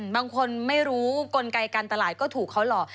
บางคนไม่รู้กลไกการตลาดก็ถูกเขาหลอก